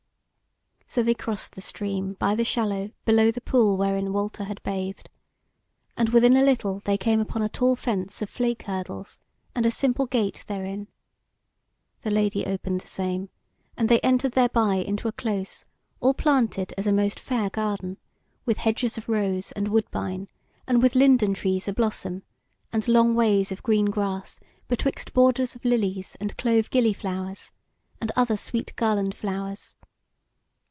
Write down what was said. So they crossed the stream by the shallow below the pool wherein Walter had bathed, and within a little they came upon a tall fence of flake hurdles, and a simple gate therein. The Lady opened the same, and they entered thereby into a close all planted as a most fair garden, with hedges of rose and woodbine, and with linden trees a blossom, and long ways of green grass betwixt borders of lilies and clove gilliflowers, and other sweet garland flowers.